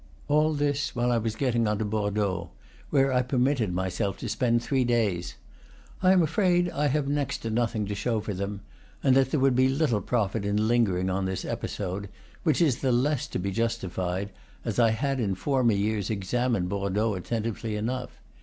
All this while I was getting on to Bordeaux, where I permitted myself to spend three days. I am afraid I have next to nothing to show for them, and that there would be little profit in lingering on this episode, which is the less to be justified as I had in former years examined Bordeaux attentively enough.